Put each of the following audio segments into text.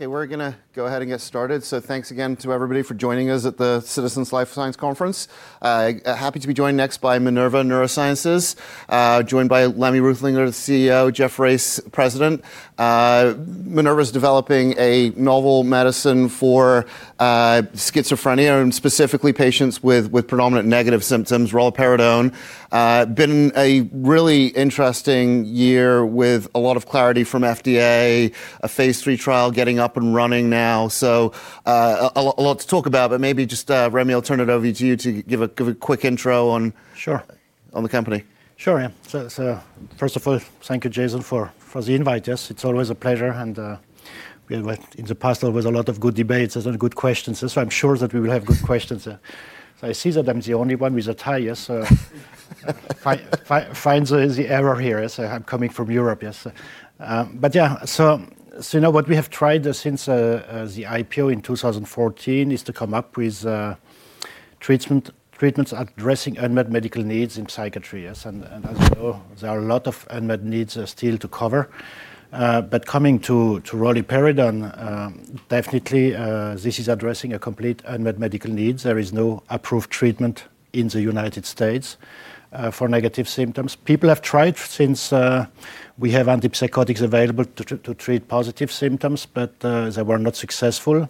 Okay, we're gonna go ahead and get started. Thanks again to everybody for joining us at the Citizens Life Sciences Conference. Happy to be joined next by Minerva Neurosciences, joined by Rémy Luthringer, the CEO, Geoff Race, President. Minerva's developing a novel medicine for schizophrenia and specifically patients with predominant negative symptoms, roluperidone. Been a really interesting year with a lot of clarity from FDA, a phase III trial getting up and running now. A lot to talk about, but maybe just, Rémy, I'll turn it over to you to give a quick intro on. Sure.... on the company. Sure, yeah. First of all, thank you, Jason, for the invite, yes. It's always a pleasure and we went into detail with a lot of good debates and good questions, so I'm sure that we will have good questions. I see that I'm the only one with a tie, yes. Find the error here. I'm coming from Europe, yes. Yeah, now what we have tried since the IPO in 2014 is to come up with treatments addressing unmet medical needs in psychiatry, yes. As you know, there are a lot of unmet needs still to cover. Coming to roluperidone, definitely, this is addressing completely unmet medical needs. There is no approved treatment in the United States for negative symptoms. People have tried since we have antipsychotics available to treat positive symptoms, but they were not successful.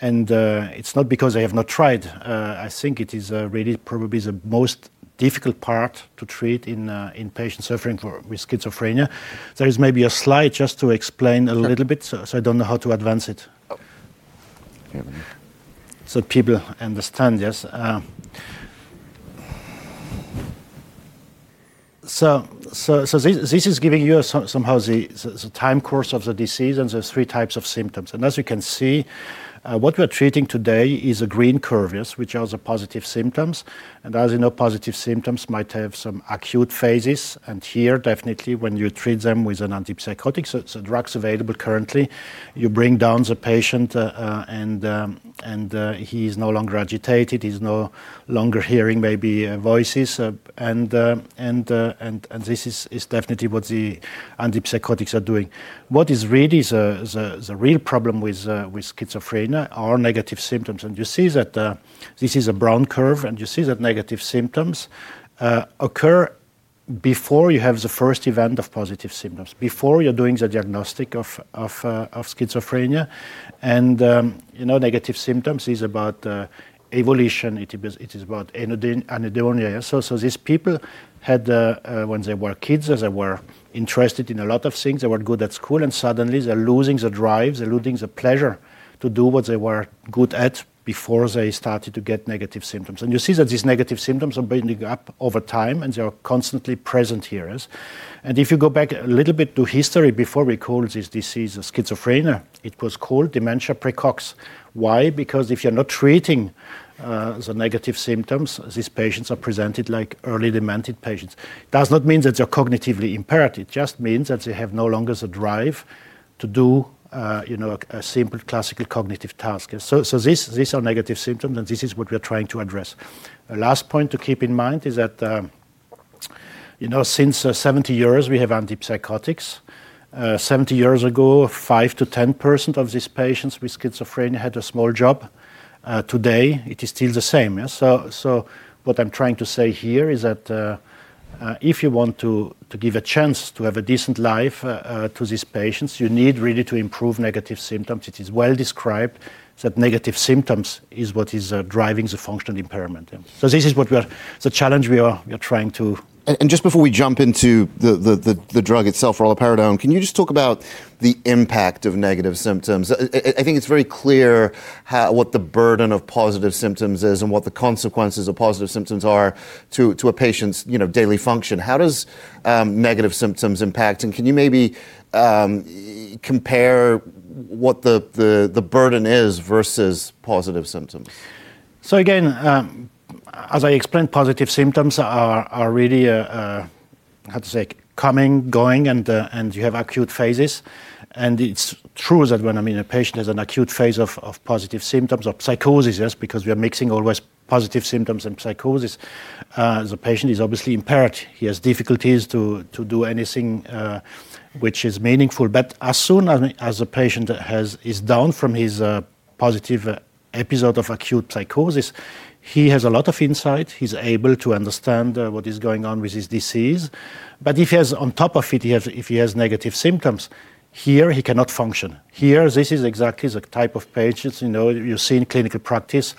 It's not because they have not tried. I think it is really probably the most difficult part to treat in patients suffering with schizophrenia. There is maybe a slide just to explain a little bit. Sure. I don't know how to advance it. Oh. Here. People understand, yes. This is giving you the time course of the disease and the three types of symptoms. As you can see, what we're treating today is the green curve, yes, which are the positive symptoms. As you know, positive symptoms might have some acute phases, and here definitely when you treat them with an antipsychotic, so it's the drugs available currently, you bring down the patient, and he is no longer agitated, he's no longer hearing maybe voices, and this is definitely what the antipsychotics are doing. What is really the real problem with schizophrenia are negative symptoms. You see that this is a brown curve, and you see that negative symptoms occur before you have the first event of positive symptoms, before you're doing the diagnostic of schizophrenia. You know, negative symptoms is about evolution. It is about anhedonia. These people had, when they were kids, as they were interested in a lot of things, they were good at school and suddenly they're losing the drive, they're losing the pleasure to do what they were good at before they started to get negative symptoms. You see that these negative symptoms are building up over time, and they are constantly present here. If you go back a little bit to history before we called this disease schizophrenia, it was called dementia praecox. Why? Because if you're not treating the negative symptoms, these patients are presented like early demented patients. Does not mean that they're cognitively impaired. It just means that they have no longer the drive to do you know a simple classical cognitive task. These are negative symptoms, and this is what we are trying to address. The last point to keep in mind is that you know since 70 years, we have antipsychotics. 70 years ago, 5%-10% of these patients with schizophrenia had a small job. Today it is still the same. What I'm trying to say here is that if you want to give a chance to have a decent life to these patients, you need really to improve negative symptoms. It is well described that negative symptoms is what is driving the functional impairment. This is the challenge we are trying to- Just before we jump into the drug itself, roluperidone, can you just talk about the impact of negative symptoms? I think it's very clear how what the burden of positive symptoms is and what the consequences of positive symptoms are to a patient's you know daily function. How does negative symptoms impact? Can you maybe compare what the burden is versus positive symptoms? Again, as I explained, positive symptoms are really how to say coming going and you have acute phases. It's true that when I mean a patient has an acute phase of positive symptoms or psychosis, yes, because we are mixing always positive symptoms and psychosis, the patient is obviously impaired. He has difficulties to do anything which is meaningful. As soon as a patient is down from his positive episode of acute psychosis, he has a lot of insight. He's able to understand what is going on with his disease. If he has negative symptoms on top of it, here he cannot function. Here, this is exactly the type of patients you know you see in clinical practice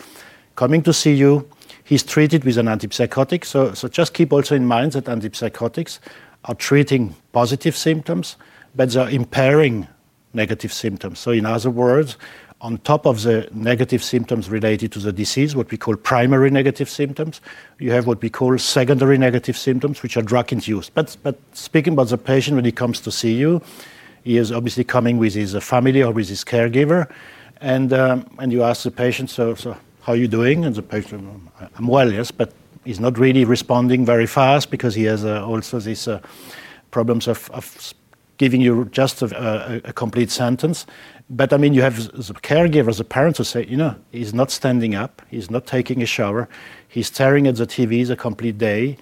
coming to see you. He's treated with an antipsychotic. Just keep also in mind that antipsychotics are treating positive symptoms, but they're impairing negative symptoms. In other words, on top of the negative symptoms related to the disease, what we call primary negative symptoms, you have what we call secondary negative symptoms, which are drug-induced. Speaking about the patient when he comes to see you, he is obviously coming with his family or with his caregiver, and and you ask the patient, "how are you doing?" The patient, "I'm well, yes," but he's not really responding very fast because he has also this problems of giving you just a complete sentence. I mean, you have the caregivers, the parents who say, "You know, he's not standing up, he's not taking a shower, he's staring at the TV the complete day.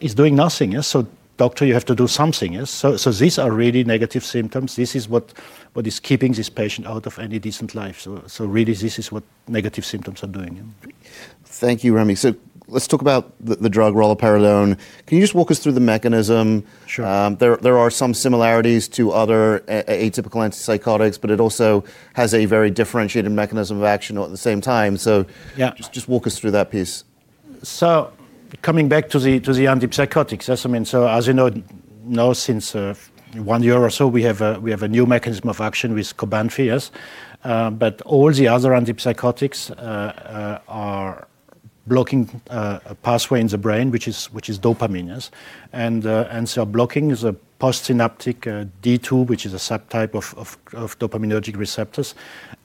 He's doing nothing. "So doctor, you have to do something." These are really negative symptoms. This is what is keeping this patient out of any decent life. Really this is what negative symptoms are doing. Thank you, Rémy. Let's talk about the drug roluperidone. Can you just walk us through the mechanism? Sure. There are some similarities to other atypical antipsychotics, but it also has a very differentiated mechanism of action at the same time. Yeah. Just walk us through that piece. Coming back to the antipsychotics. Yes, I mean, as you know, since one year or so, we have a new mechanism of action with KarXT. But all the other antipsychotics are blocking a pathway in the brain which is dopamine. Yes. Blocking the postsynaptic D2, which is a subtype of dopaminergic receptors.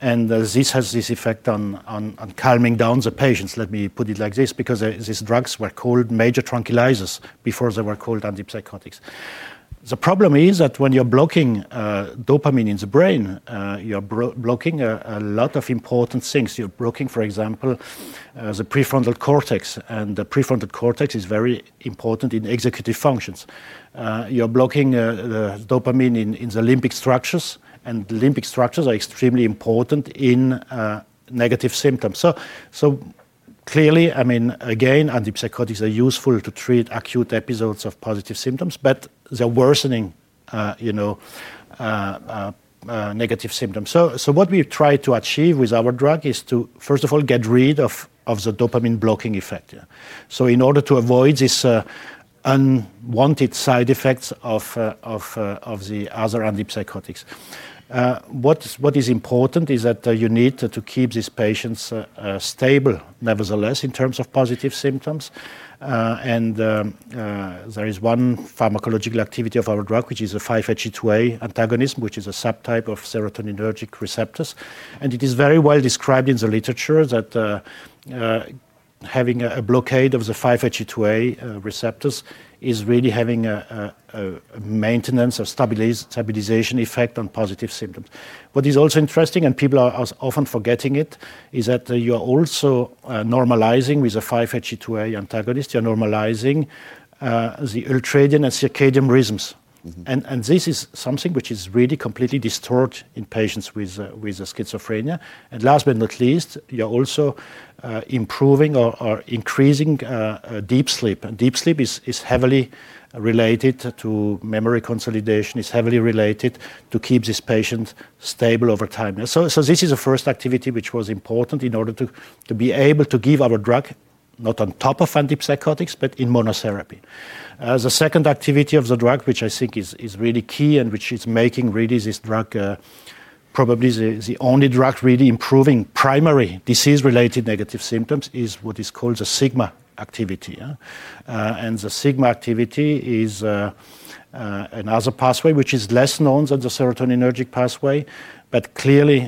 This has this effect on calming down the patients, let me put it like this, because these drugs were called major tranquilizers before they were called antipsychotics. The problem is that when you're blocking dopamine in the brain, you're blocking a lot of important things. You're blocking, for example, the prefrontal cortex. The prefrontal cortex is very important in executive functions. You're blocking the dopamine in the limbic structures, and limbic structures are extremely important in negative symptoms. Clearly, I mean, again, antipsychotics are useful to treat acute episodes of positive symptoms, but they're worsening negative symptoms. What we've tried to achieve with our drug is to, first of all, get rid of the dopamine blocking effect. Yeah. In order to avoid this unwanted side effects of the other antipsychotics. What is important is that you need to keep these patients stable nevertheless, in terms of positive symptoms. There is one pharmacological activity of our drug which is a 5-HT2A antagonist, which is a subtype of serotonergic receptors. It is very well described in the literature that having a blockade of the 5-HT2A receptors is really having a maintenance or stabilization effect on positive symptoms. What is also interesting, and people are also often forgetting it, is that you are also normalizing with the 5-HT2A antagonist, you're normalizing the ultradian and circadian rhythms. Mm-hmm. This is something which is really completely distorted in patients with schizophrenia. Last but not least, you're also improving or increasing deep sleep. Deep sleep is heavily related to memory consolidation, is heavily related to keep this patient stable over time. This is a first activity which was important in order to be able to give our drug not on top of antipsychotics, but in monotherapy. The second activity of the drug, which I think is really key and which is making really this drug probably the only drug really improving primary disease related negative symptoms is what is called the sigma activity. The sigma activity is another pathway which is less known than the serotonergic pathway. Clearly,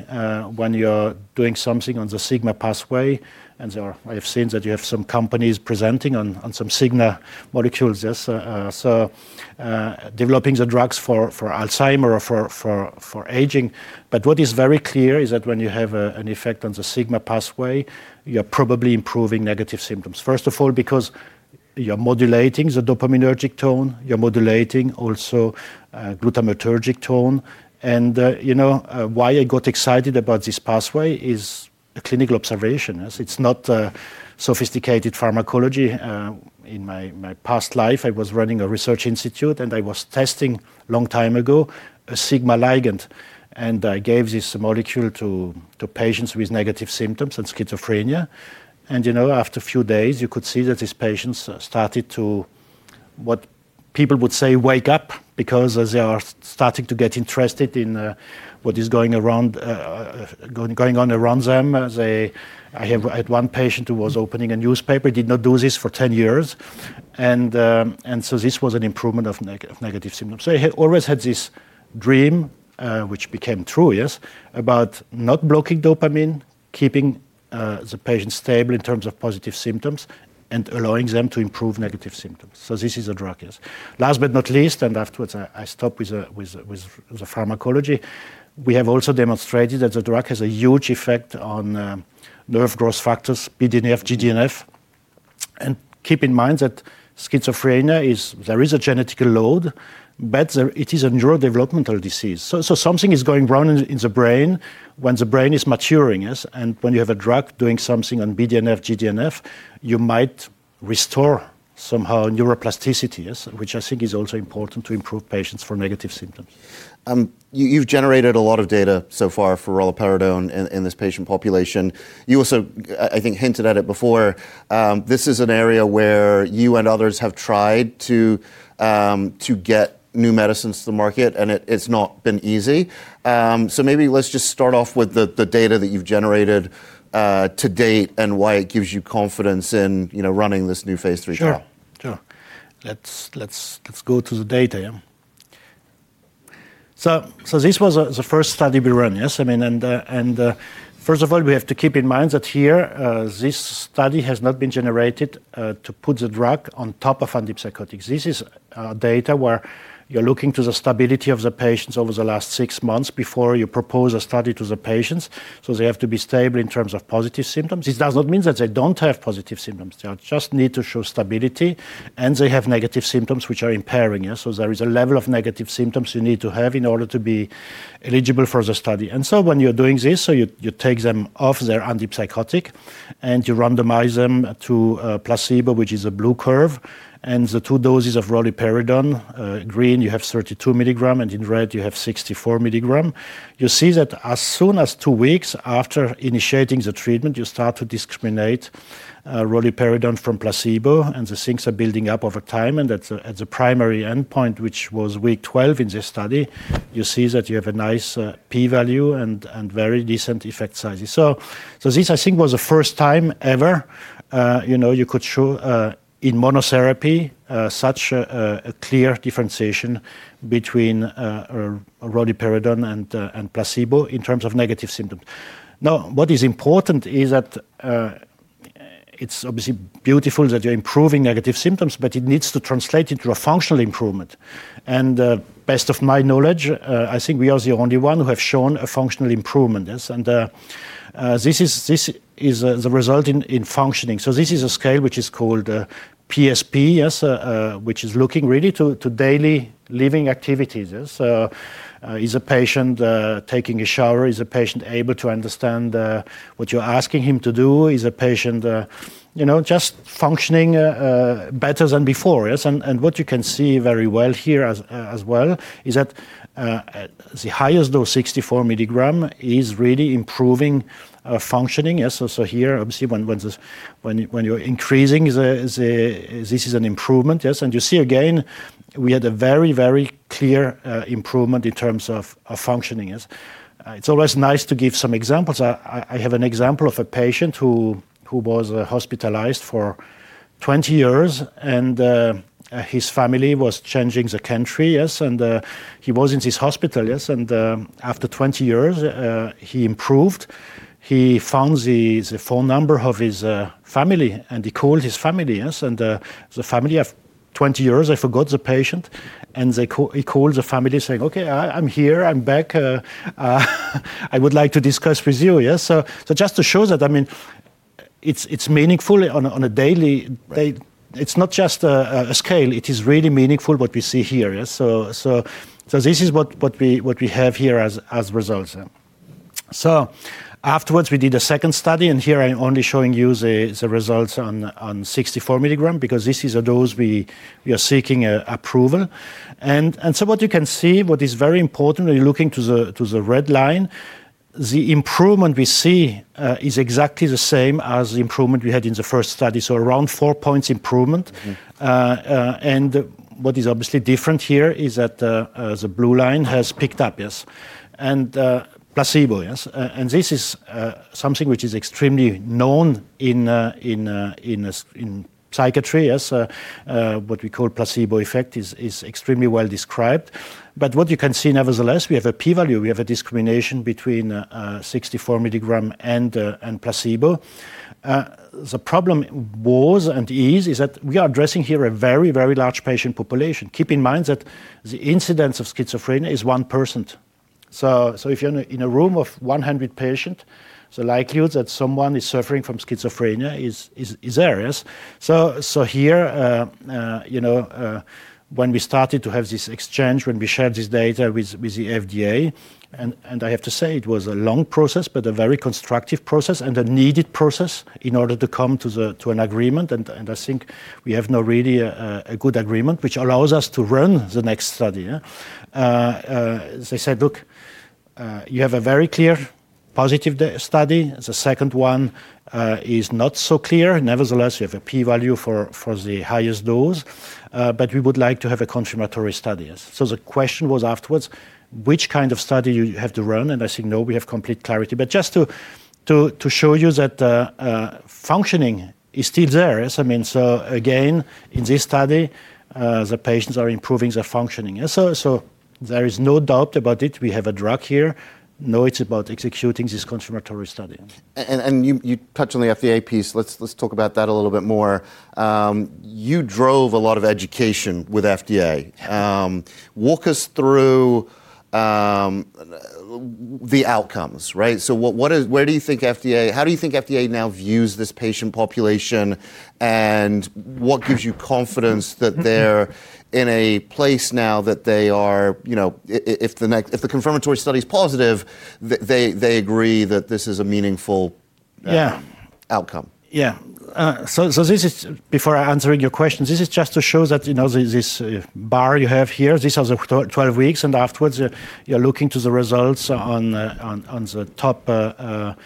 when you're doing something on the sigma pathway, I have seen that you have some companies presenting on some sigma molecules. Yes. Developing the drugs for Alzheimer's or for aging. What is very clear is that when you have an effect on the sigma pathway, you're probably improving negative symptoms. First of all, because you're modulating the dopaminergic tone, you're modulating also glutamatergic tone. You know why I got excited about this pathway is a clinical observation. Yes. It's not sophisticated pharmacology. In my past life, I was running a research institute, and I was testing long time ago a sigma ligand. I gave this molecule to patients with negative symptoms and schizophrenia. You know, after a few days, you could see that these patients started to, what people would say, wake up because they are starting to get interested in what is going on around them. I have had one patient who was opening a newspaper, did not do this for 10 years. This was an improvement of negative symptoms. I had always had this dream, which became true, yes, about not blocking dopamine, keeping the patient stable in terms of positive symptoms and allowing them to improve negative symptoms. This is a drug. Yes. Last but not least, afterwards I stop with the pharmacology. We have also demonstrated that the drug has a huge effect on nerve growth factors, BDNF, GDNF. Keep in mind that schizophrenia, there is a genetic load, but it is a neurodevelopmental disease. Something is going wrong in the brain when the brain is maturing. Yes. When you have a drug doing something on BDNF, GDNF, you might restore somehow neuroplasticity. Yes. Which I think is also important to improve patients for negative symptoms. You've generated a lot of data so far for roluperidone in this patient population. You also, I think, hinted at it before. This is an area where you and others have tried to get new medicines to the market, and it's not been easy. Maybe let's just start off with the data that you've generated to date and why it gives you confidence in you know running this new phase III trial. Sure. Let's go to the data. Yeah. This was the first study we run. Yes. I mean, first of all, we have to keep in mind that here, this study has not been generated to put the drug on top of antipsychotics. This is data where you're looking at the stability of the patients over the last six months before you propose a study to the patients. They have to be stable in terms of positive symptoms. This does not mean that they don't have positive symptoms. They just need to show stability, and they have negative symptoms which are impairing. Yes. There is a level of negative symptoms you need to have in order to be eligible for the study. When you're doing this, so you take them off their antipsychotic, and you randomize them to placebo, which is a blue curve, and the two doses of roluperidone. Green, you have 32 mg, and in red, you have 64 mg. You see that as soon as two weeks after initiating the treatment, you start to discriminate roluperidone from placebo, and the things are building up over time, and at the primary endpoint, which was week 12 in this study, you see that you have a nice p-value and very decent effect sizes. So this, I think, was the first time ever, you know, you could show in monotherapy such a clear differentiation between roluperidone and placebo in terms of negative symptoms. Now, what is important is that, it's obviously beautiful that you're improving negative symptoms, but it needs to translate into a functional improvement. To the best of my knowledge, I think we are the only one who have shown a functional improvement, yes. This is the result in functioning. This is a scale which is called PSP, yes, which is looking really to daily living activities. Is the patient taking a shower? Is the patient able to understand what you're asking him to do? Is the patient you know just functioning better than before? Yes. What you can see very well here as well is that the highest dose 64 mgs is really improving functioning. Yes. Here, obviously, when you're increasing this is an improvement. Yes. You see again, we had a very clear improvement in terms of functioning. Yes. It's always nice to give some examples. I have an example of a patient who was hospitalized for 20 years, and his family was changing the country. Yes. He was in this hospital. Yes. After 20 years, he improved. He found the phone number of his family, and he called his family. Yes. The family of 20 years, they forgot the patient, and he called the family saying, "Okay, I'm here, I'm back. I would like to discuss with you." Yes. Just to show that, I mean, it's meaningful on a daily rate. It's not just a scale. It is really meaningful what we see here. Yes. This is what we have here as results. Afterwards, we did a second study, and here I'm only showing you the results on 64 mg because this is a dose we are seeking approval. What you can see, what is very important when you're looking to the red line, the improvement we see is exactly the same as the improvement we had in the first study, so around 4 points improvement. Mm-hmm. What is obviously different here is that the blue line has picked up and placebo. This is something which is extremely known in psychiatry. What we call placebo effect is extremely well described. What you can see nevertheless, we have a p-value. We have a discrimination between 64 mg and placebo. The problem was and is that we are addressing here a very large patient population. Keep in mind that the incidence of schizophrenia is 1%. If you're in a room of 100 patients, the likelihood that someone is suffering from schizophrenia is there. Here, you know, when we started to have this exchange, when we shared this data with the FDA, and I have to say it was a long process, but a very constructive process and a needed process in order to come to an agreement. I think we have now really a good agreement, which allows us to run the next study. They said, "Look, you have a very clear positive study. The second one is not so clear. Nevertheless, you have a p-value for the highest dose, but we would like to have a confirmatory study." Yes. The question was afterwards, which kind of study you have to run? I said, "No, we have complete clarity." Just to show you that functioning is still there. Yes. I mean, again, in this study, the patients are improving their functioning. There is no doubt about it. We have a drug here. Now it's about executing this confirmatory study. You touched on the FDA piece. Let's talk about that a little bit more. You drove a lot of education with FDA. Walk us through the outcomes, right? How do you think FDA now views this patient population, and what gives you confidence that they're in a place now that they are, you know, if the confirmatory study is positive, they agree that this is a meaningful. Yeah. Outcome? Yeah. So this is before answering your question. This is just to show that, you know, this bar you have here. This is the 12 weeks, and afterwards you're looking to the results on the top left.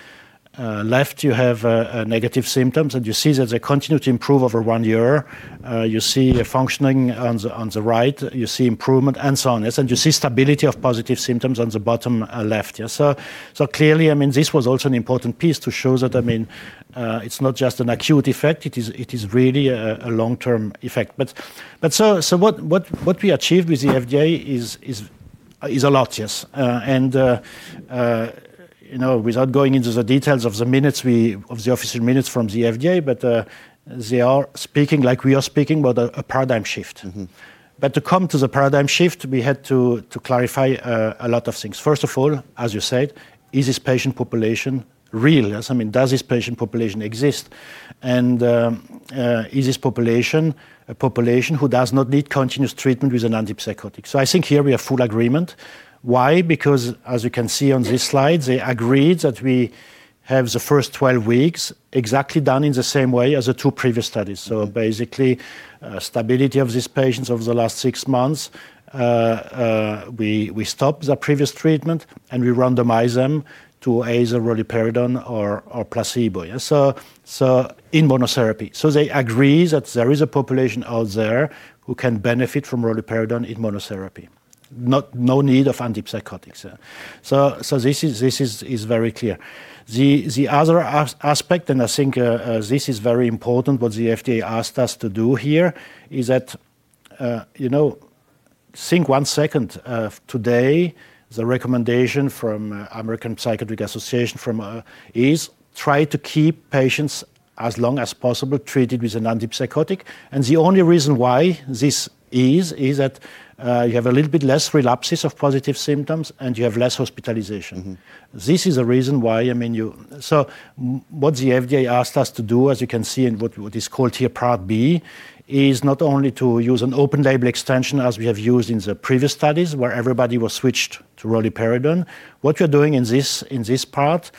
You have negative symptoms, and you see that they continue to improve over one year. You see functioning on the right. You see improvement and so on. Yes. You see stability of positive symptoms on the bottom left. Yes. Clearly, I mean, this was also an important piece to show that, I mean, it's not just an acute effect. It is really a long-term effect. So what we achieved with the FDA is a lot. Yes. You know, without going into the details of the minutes, of the official minutes from the FDA, but they are speaking like we are speaking about a paradigm shift. Mm-hmm. To come to the paradigm shift, we had to clarify a lot of things. First of all, as you said, is this patient population real? Yes. I mean, does this patient population exist? Is this population a population who does not need continuous treatment with an antipsychotic? I think here we have full agreement. Why? Because as you can see on this slide, they agreed that we have the first 12 weeks exactly done in the same way as the two previous studies. Basically, stability of these patients over the last six months, we stopped the previous treatment, and we randomized them to either roluperidone or placebo. In monotherapy. They agree that there is a population out there who can benefit from roluperidone in monotherapy. No need of antipsychotics. This is very clear. The other aspect, and I think this is very important, what the FDA asked us to do here, is that, you know, think one second of today, the recommendation from American Psychiatric Association is try to keep patients as long as possible treated with an antipsychotic. The only reason why this is that you have a little bit less relapses of positive symptoms, and you have less hospitalization. Mm-hmm. This is a reason why, I mean, what the FDA asked us to do, as you can see in what is called here Part B, is not only to use an open-label extension as we have used in the previous studies, where everybody was switched to roluperidone. What you're doing in this part,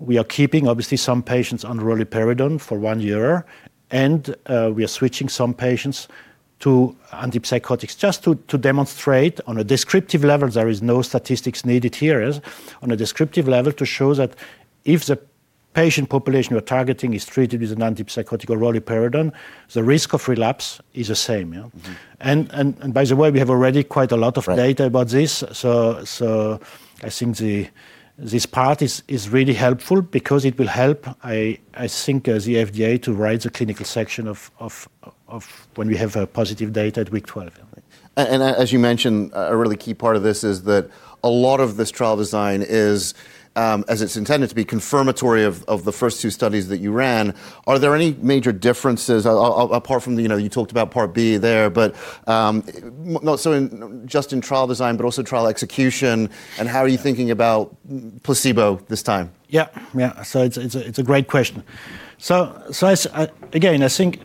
we are keeping obviously some patients on roluperidone for one year, and we are switching some patients to antipsychotics. Just to demonstrate on a descriptive level, there is no statistics needed here. On a descriptive level to show that if the patient population we're targeting is treated with an antipsychotic or roluperidone, the risk of relapse is the same, yeah. Mm-hmm. By the way, we have already quite a lot of data- Right. ...about this. I think this part is really helpful because it will help, I think, the FDA to write the clinical section of when we have positive data at week 12. As you mentioned, a really key part of this is that a lot of this trial design is, as it's intended to be confirmatory of the first two studies that you ran. Are there any major differences apart from the, you know, you talked about Part B there. Not so much in just trial design, but also trial execution, and how are you thinking about no placebo this time? Yeah. Yeah. It's a great question. Again, I think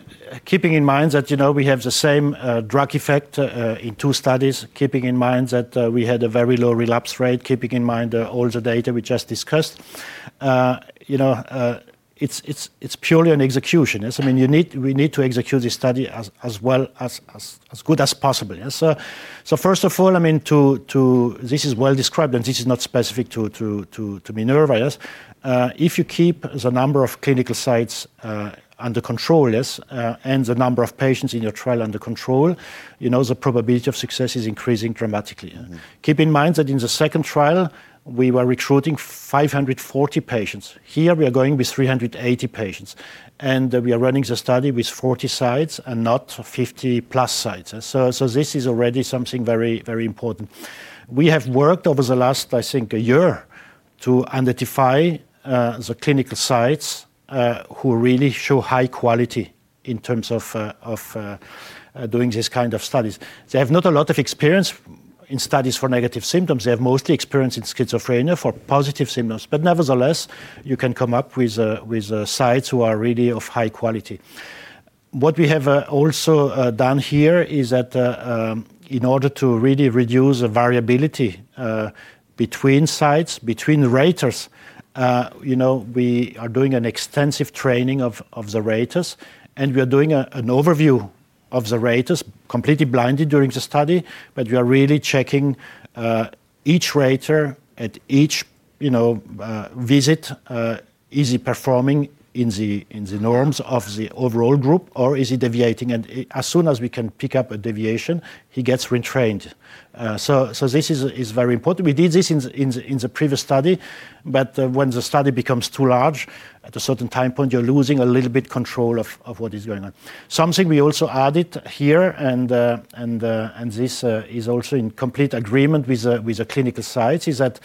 keeping in mind that, you know, we have the same drug effect in two studies, keeping in mind that we had a very low relapse rate, keeping in mind all the data we just discussed. You know, it's purely on execution. Yes, I mean, you need, we need to execute this study as well as good as possible. This is well described, and this is not specific to Minerva, yes? If you keep the number of clinical sites under control, yes, and the number of patients in your trial under control, you know the probability of success is increasing dramatically. Mm-hmm. Keep in mind that in the second trial, we were recruiting 540 patients. Here, we are going with 380 patients. We are running the study with 40 sites and not 50+ sites. This is already something very, very important. We have worked over the last, I think, a year to identify the clinical sites who really show high quality in terms of doing these kind of studies. They have not a lot of experience in studies for negative symptoms. They have mostly experience in schizophrenia for positive symptoms. Nevertheless, you can come up with sites who are really of high quality. What we have also done here is that in order to really reduce the variability between sites, between raters, you know, we are doing an extensive training of the raters. We are doing an overview of the raters, completely blinded during the study. We are really checking each rater at each, you know, visit. Is he performing in the norms of the overall group, or is he deviating? As soon as we can pick up a deviation, he gets retrained. This is very important. We did this in the previous study. When the study becomes too large, at a certain time point, you're losing a little bit control of what is going on. Something we also added here, and this is also in complete agreement with the clinical sites, is that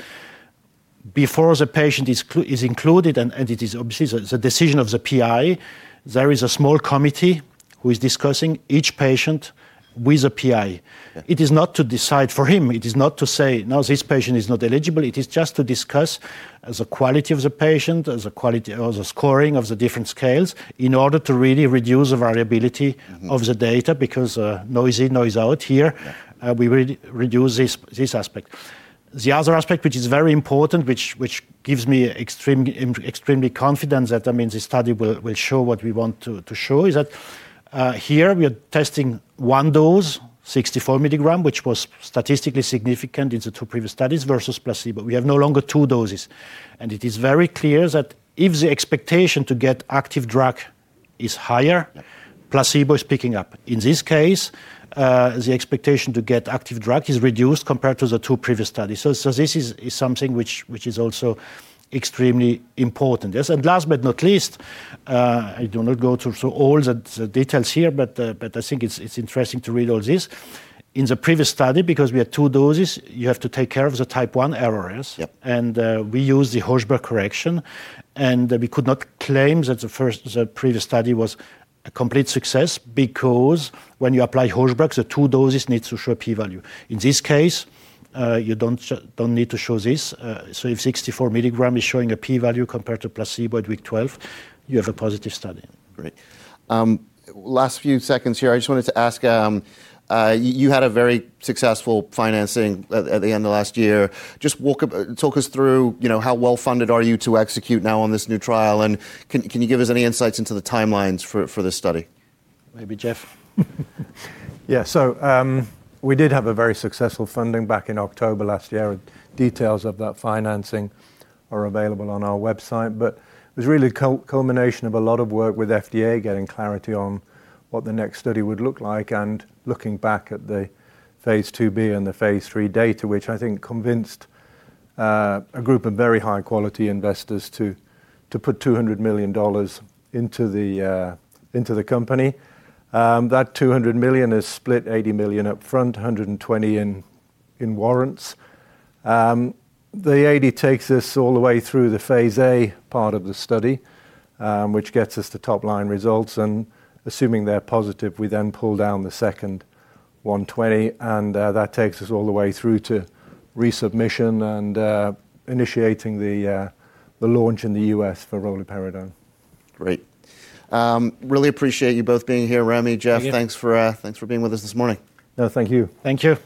before the patient is included, and it is obviously the decision of the PI, there is a small committee who is discussing each patient with a PI. Yeah. It is not to decide for him. It is not to say, "No, this patient is not eligible." It is just to discuss the quality of the patient, the quality of the scoring of the different scales in order to really reduce the variability- Mm-hmm. ...of the data because noise in, noise out here. Yeah. We reduce this aspect. The other aspect, which is very important, which gives me extremely confident that, I mean, the study will show what we want to show is that, here we are testing one dose, 64 mg, which was statistically significant in the two previous studies versus placebo. We have no longer two doses. It is very clear that if the expectation to get active drug is higher. Yeah. Placebo is picking up. In this case, the expectation to get active drug is reduced compared to the two previous studies. This is something which is also extremely important. Yes, and last but not least, I do not go through all the details here, but I think it's interesting to read all this. In the previous study, because we had two doses, you have to take care of the Type I errors. Yep. We used the Hochberg correction, and we could not claim that the first, the previous study was a complete success because when you apply Hochberg, the two doses need to show a p-value. In this case, you don't need to show this. If 64 mg is showing a p-value compared to placebo at week 12, you have a positive study. Great. Last few seconds here. I just wanted to ask, you had a very successful financing at the end of last year. Just talk us through, you know, how well-funded are you to execute now on this new trial, and can you give us any insights into the timelines for this study? Maybe Geoff. Yeah, we did have a very successful funding back in October last year. Details of that financing are available on our website. It was really a culmination of a lot of work with FDA getting clarity on what the next study would look like and looking back at the phase II-B and the phase III data, which I think convinced a group of very high quality investors to put $200 million into the company. That $200 million is split $80 million upfront, $120 million in warrants. The $80 million takes us all the way through the phase A part of the study, which gets us the top line results. Assuming they're positive, we then pull down the second Q1 20, and that takes us all the way through to resubmission and initiating the launch in the U.S. for roluperidone. Great. Really appreciate you both being here. Rémy, Geoff- Thank you. Thanks for being with us this morning. No, thank you. Thank you.